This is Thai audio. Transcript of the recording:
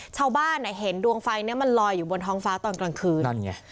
ชาวบ้านอ่ะเห็นดวงไฟเนี้ยมันลอยอยู่บนท้องฟ้าตอนกลางคืนนั่นไง